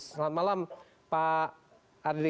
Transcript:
selamat malam pak ardi